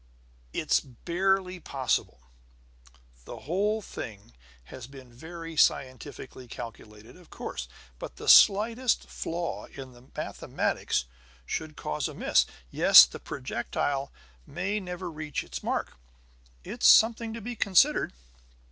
"It's barely possible. The whole thing has been very scientifically calculated, of course; but the slightest flaw in the mathematics could cause a miss. Yes, the projectile may never reach its mark; it's something to be considered."